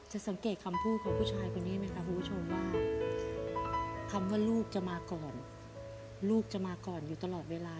สังเกตคำพูดของผู้ชายคนนี้ไหมครับคุณผู้ชมว่าคำว่าลูกจะมาก่อนลูกจะมาก่อนอยู่ตลอดเวลา